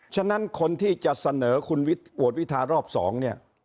ฉะนั้นคนที่จะเสนอคุณโหวตวิทารอบ๒เนี่ย